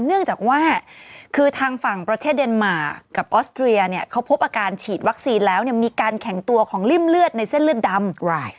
เนื่องจากว่าคือทางฝั่งประเทศเดนมาร์กับออสเตรียเนี่ยเขาพบอาการฉีดวัคซีนแล้วเนี่ยมีการแข็งตัวของริ่มเลือดในเส้นเลือดดำ